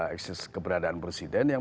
eksis keberadaan presiden yang